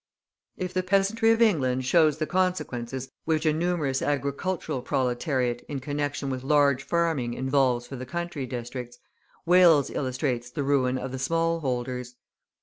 If the peasantry of England shows the consequences which a numerous agricultural proletariat in connection with large farming involves for the country districts, Wales illustrates the ruin of the small holders.